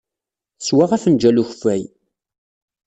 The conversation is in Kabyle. Teswa afenjal n ukeffay.